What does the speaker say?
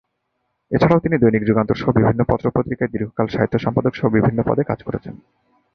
এছাড়া তিনি দৈনিক যুগান্তর সহ বিভিন্ন পত্র-পত্রিকায় দীর্ঘকাল সাহিত্য সম্পাদক সহ বিভিন্ন পদে কাজ করেছেন।